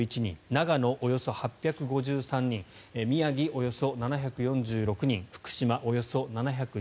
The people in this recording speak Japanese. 長野、およそ８５３人宮城、およそ７４６人福島、およそ７２２人。